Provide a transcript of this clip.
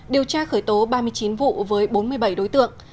điều tra khởi tố ba mươi chín vụ với bốn mươi bảy đối tượng